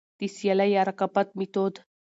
د سيالي يا رقابت ميتود: